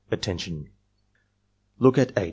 "Attention! Look at 8.